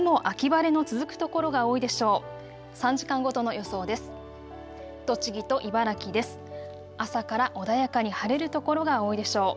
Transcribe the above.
あすも秋晴れの続く所が多いでしょう。